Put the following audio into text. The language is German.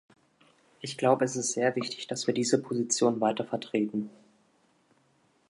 Ich glaube, es ist sehr wichtig, dass wir diese Position weiter vertreten.